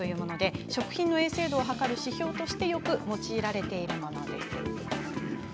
食品の衛生度を測る指標としてよく用いられています。